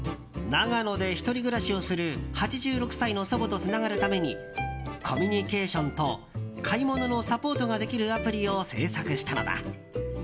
長野で１人暮らしをする８６歳の祖母とつながるためにコミュニケーションと買い物のサポートができるアプリを制作したのだ。